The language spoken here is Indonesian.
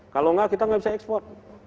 kalau enggak kita nggak bisa ekspor